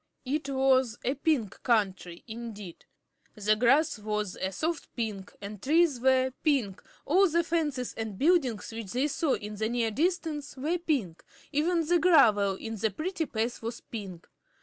It was a Pink Country, indeed. The grass was a soft pink, the trees were pink, all the fences and buildings which they saw in the near distance were pink even the gravel in the pretty paths was pink.